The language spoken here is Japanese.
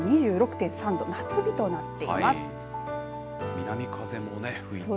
南風もね、吹いて。